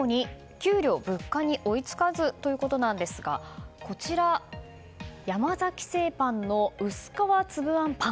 給料、物価に追いつかずということですがこちら、山崎製パンの薄皮つぶあんぱん。